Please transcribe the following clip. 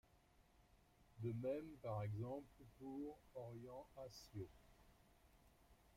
De même par exemple pour orientAtio.